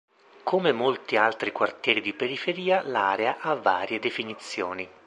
Come molti altri quartieri di periferia, l'area ha varie definizioni.